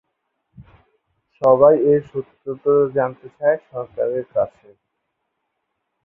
সবাই এর সত্যতা জানতে চায় সরকারের কাছে।